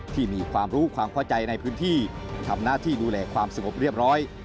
ที่มีความรู้ความเข้าใจในพื้นที่ทำหน้าที่ดูแลความสงบเรียบร้อย